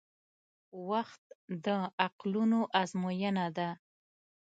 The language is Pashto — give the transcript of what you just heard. • وخت د عقلونو ازموینه ده.